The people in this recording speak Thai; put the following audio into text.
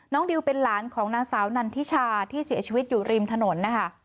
ดิวเป็นหลานของนางสาวนันทิชาที่เสียชีวิตอยู่ริมถนนนะคะ